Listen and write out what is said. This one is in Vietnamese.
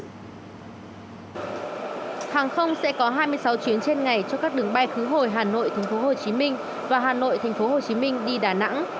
hàng không sẽ có hai mươi sáu chuyến trên ngày cho các đường bay khứ hồi hà nội tp hcm và hà nội tp hcm đi đà nẵng